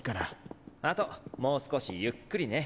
あともう少しゆっくりね。